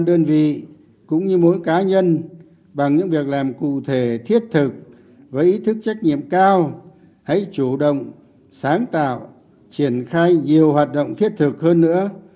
đơn vị cũng như mỗi cá nhân bằng những việc làm cụ thể thiết thực với ý thức trách nhiệm cao hãy chủ động sáng tạo triển khai nhiều hoạt động thiết thực hơn nữa